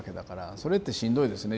それってしんどいですね